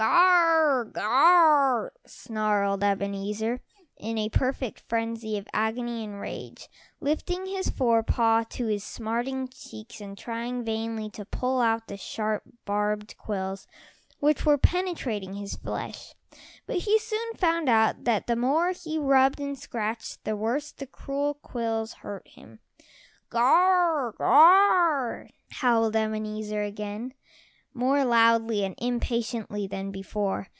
"Gar r r r, gar r r r," snarled Ebenezer in a perfect frenzy of agony and rage, lifting his fore paws to his smarting cheeks and trying vainly to pull out the sharp, barbed quills which were penetrating his flesh. But he soon found out that the more he rubbed and scratched, the worse the cruel quills hurt him. "Gar r r r, gar r r r," howled Ebenezer again, more loudly and impatiently than before.